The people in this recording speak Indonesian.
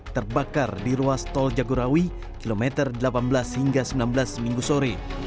terbakar di ruas tol jagorawi kilometer delapan belas hingga sembilan belas minggu sore